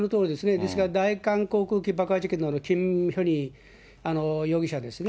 ですから、大韓航空機爆破事件のキム・ヒョンヒ容疑者ですね。